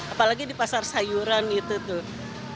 apalagi di pasar sayuran gitu tuh